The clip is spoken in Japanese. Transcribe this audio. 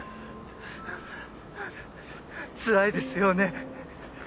つらいですよね。